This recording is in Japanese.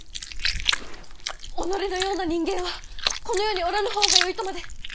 己のような人間はこの世におらぬ方がよいとまで。